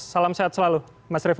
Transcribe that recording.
salam sehat selalu mas revo